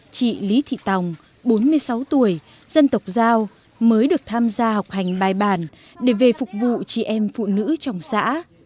chị lý thị tòng bốn mươi sáu tuổi dân tộc giao mới được tham gia học hành bài bản để về phục vụ chị em phụ nữ trong xã